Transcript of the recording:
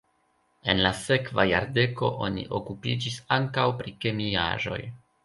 En la sekva jardeko oni okupiĝis ankaŭ pri kemiaĵoj.